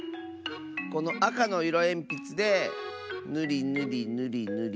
このあかのいろえんぴつでぬりぬりぬりぬり